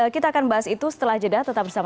kita akan bahas itu setelah jeda tetap bersama